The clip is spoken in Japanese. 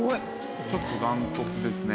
ちょっと断トツですね。